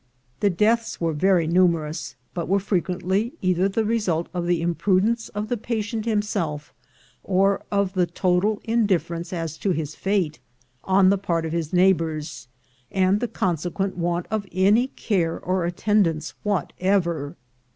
The deaths were very numerous, but were frequently either the result of the imprudence of the patient himself, or of the total indifference as to his fate on the part of his neighbors, and the consequent want of any care or attendance whatever.